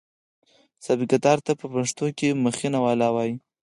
سابقه دار ته په پښتو کې مخینه والا وایي.